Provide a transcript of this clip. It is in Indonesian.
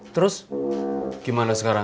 terus gimana sekarang